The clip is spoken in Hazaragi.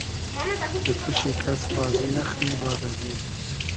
دۂ توشی کئس بازی نئخری باد ازی